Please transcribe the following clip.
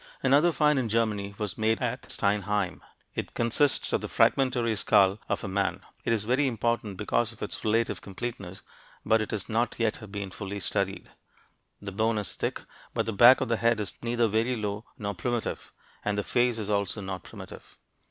Another find in Germany was made at Steinheim. It consists of the fragmentary skull of a man. It is very important because of its relative completeness, but it has not yet been fully studied. The bone is thick, but the back of the head is neither very low nor primitive, and the face is also not primitive.